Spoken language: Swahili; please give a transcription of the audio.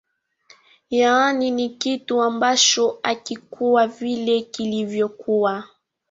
Yaani ni kitu ambacho hakikua vile kilvyokua